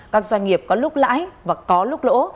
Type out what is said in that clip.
các doanh nghiệp có lúc lãi và có lúc lỗ